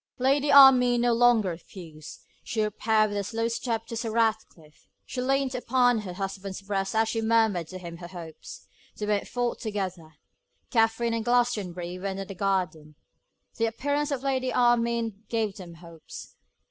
Lady Armine no longer refused; she repaired with a slow step to Sir Ratcliffe; she leant upon her husband's breast as she murmured to him her hopes. They went forth together. Katherine and Glastonbury were in the garden. The appearance of Lady Armine gave them hopes.